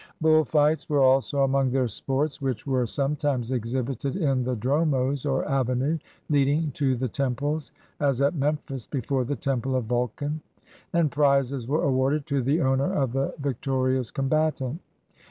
Bull fights were also among their sports; which were sometimes exhibited in the dromos, or avenue, leading to the temples, as at Memphis before the temple of Vulcan; and prizes were awarded to the owner of the victorious combatant.